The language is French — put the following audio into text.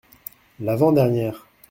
L’avant-dernière.